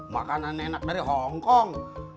makanan enak dari hongkong